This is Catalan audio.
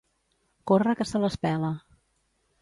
Córrer que se les pela.